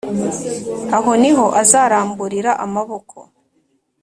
Aho ni ho azaramburira amaboko,